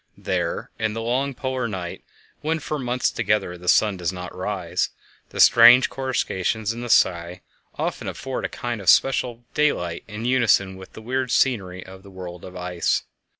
There, in the long polar night, when for months together the sun does not rise, the strange coruscations in the sky often afford a kind of spectral daylight in unison with the weird scenery of the world of ice.